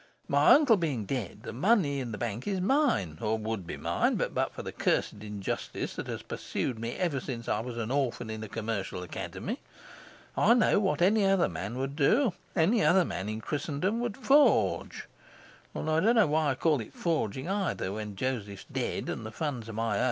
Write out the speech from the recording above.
'My uncle being dead, the money in the bank is mine, or would be mine but for the cursed injustice that has pursued me ever since I was an orphan in a commercial academy. I know what any other man would do; any other man in Christendom would forge; although I don't know why I call it forging, either, when Joseph's dead, and the funds are my own.